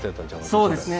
そうですね。